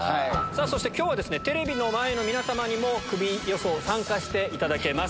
そしてきょうはですね、テレビの前の皆様にも、クビ予想、参加していただけます。